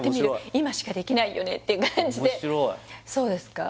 今しかできないよねって感じで面白いそうですか？